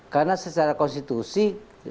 karena secara konstitusi